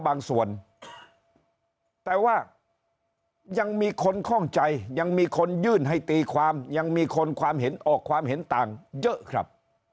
บางส่วนแต่ว่ายังมีคนคล่องใจยังมีคนยื่นให้ตีความยังมีคนความเห็นออกความเห็นต่างเยอะครับ